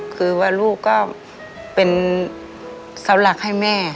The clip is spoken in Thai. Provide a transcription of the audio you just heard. คือว่าลูกก็เป็นเสาหลักให้แม่